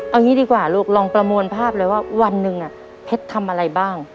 เอางี้ดีกว่าลูกลองประมวลภาพเลยว่าวันหนึ่งเพชรทำอะไรบ้าง